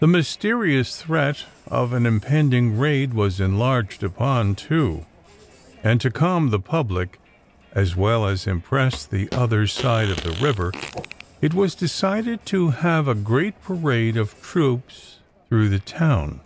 The mysterious threat of an impending raid was enlarged upon, too, and to calm the public, as well as impress "the other side of the river," it was decided to have a great parade of troops through the town.